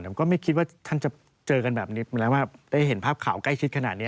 ผมก็ไม่คิดว่าท่านจะเจอกันแบบนี้แล้วว่าได้เห็นภาพข่าวใกล้ชิดขนาดนี้